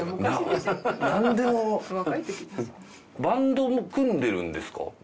バンドも組んでるんですか？